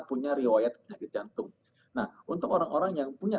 punya riwayat penyakit jantung nah untuk orang orang yang punya